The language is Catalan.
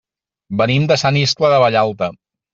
Venim de Sant Iscle de Vallalta.